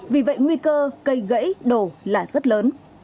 vì vậy nguy cơ cây gãy đổ là rất lớn